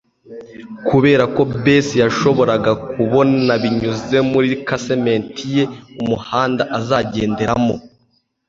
Kuberako Bess yashoboraga kubona, binyuze muri casement ye, umuhanda azagenderamo.